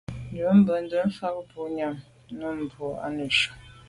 Njon benntùn fa boa nyàm num mbwôg i neshu.